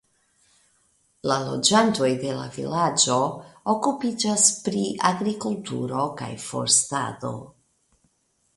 La loĝantoj de la vilaĝo okupiĝas pri agrikulturo kaj forstado.